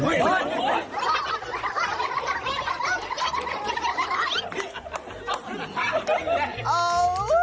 โอ๊ยโอ๊ย